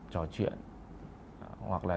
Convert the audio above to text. trò chuyện hoặc là